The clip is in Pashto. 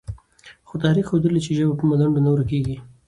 خو تاریخ ښودلې، چې ژبې په ملنډو نه ورکېږي،